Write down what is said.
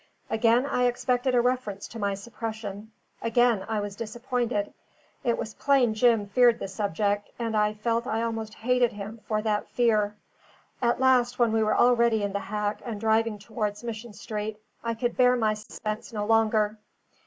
Again I expected a reference to my suppression; again I was disappointed. It was plain Jim feared the subject, and I felt I almost hated him for that fear. At last, when we were already in the hack and driving towards Mission Street, I could bear my suspense no longer.